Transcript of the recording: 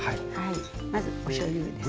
まずおしょうゆですね。